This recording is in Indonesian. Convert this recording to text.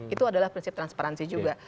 itu adalah prinsip transparansi juga